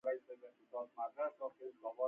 آیا کاناډا د کانونو قوانین نلري؟